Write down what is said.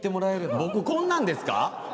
僕、こんなんですか？